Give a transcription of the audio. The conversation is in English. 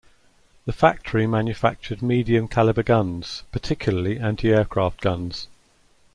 The factory manufactured medium-calibre guns, particularly anti-aircraft guns.